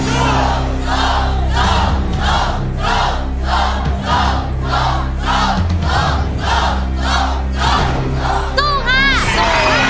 สู้ค่ะ